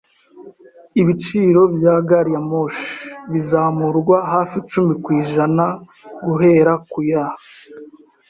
Ibiciro bya gari ya moshi bizamurwa hafi icumi ku ijana guhera ku ya